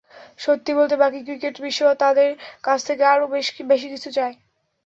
সত্যি বলতে, বাকি ক্রিকেট-বিশ্ব তাদের কাছ থেকে আরও বেশি কিছু চায়।